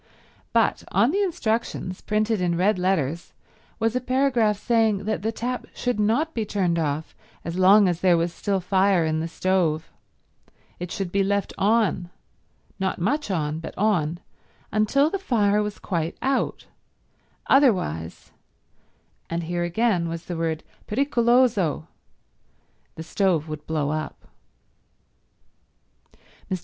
But on the instructions, printed in red letters, was a paragraph saying that the tap should not be turned off as long as there was still fire in the stove. It should be left on—not much on, but on—until the fire was quite out; otherwise, and here again was the word pericoloso, the stove would blow up. Mr.